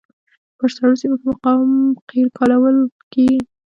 په سړو سیمو کې مقاوم قیر کارول کیږي